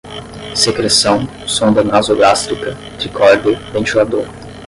secreção, sonda nasogástrica, tricorder, ventilador